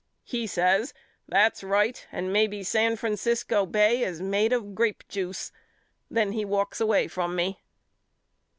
He says That's right and maybe San Francisco Bay is made of grapejuice. Then he walks away from me.